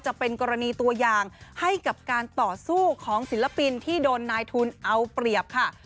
จะเป็นกรณีตัวอย่างให้กับการต่อสู้ของศิลปินที่โดนนายทุนเอาเปรียบค่ะ